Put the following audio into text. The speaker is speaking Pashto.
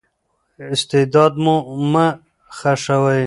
استعداد مو مه خښوئ.